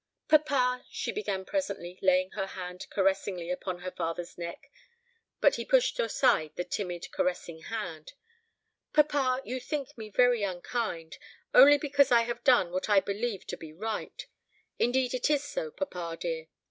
"Papa," she began presently, laying her hand caressingly upon her father's neck; but he pushed aside the timid, caressing hand "papa, you think me very unkind, only because I have done what I believe to be right; indeed it is so, papa dear.